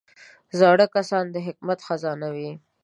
زاړه کسان د حکمت خزانه وي